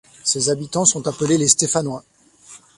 Ses habitants sont appelés les Stéphanois.